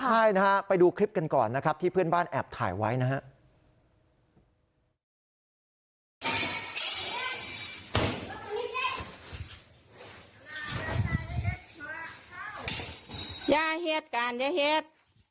ใช่นะฮะไปดูคลิปกันก่อนนะครับที่เพื่อนบ้านแอบถ่ายไว้นะฮะ